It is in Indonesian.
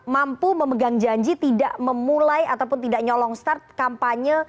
mampu memegang janji tidak memulai ataupun tidak nyolong start kampanye